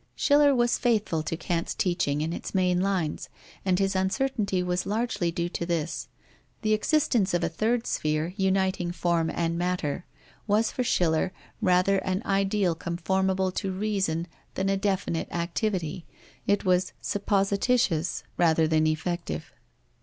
Schiller was faithful to Kant's teaching in its main lines, and his uncertainty was largely due to this. The existence of a third sphere uniting form and matter was for Schiller rather an ideal conformable to reason than a definite activity; it was supposititious, rather than effective.